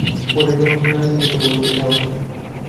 পরেশবাবুকে না জানিয়ে কোনোমতেই যাওয়া যায় না।